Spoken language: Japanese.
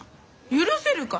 許せるか？